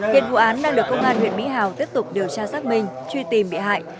hiện vụ án đang được công an huyện mỹ hào tiếp tục điều tra xác minh truy tìm bị hại